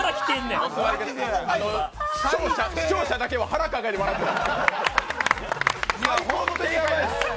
視聴者だけは腹抱えて笑ってる。